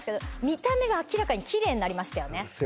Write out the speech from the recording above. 見た目が明らかにキレイになりましたよね